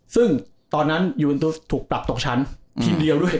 ซึ่งตอนนั้นยูเอ็นตุสถูกปรับตกชั้นทีมเดียวด้วย